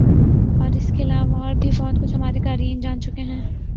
اور اس کے علاوہ اور بھی بہت کچھ ہمارے قارئین جان چکے ہیں ۔